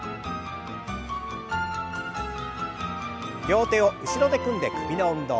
両手を後ろで組んで首の運動。